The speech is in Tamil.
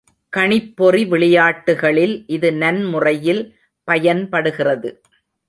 கணிப்பொறி விளையாட்டுகளில் இது நன்முறையில் பயன்படுகிறது.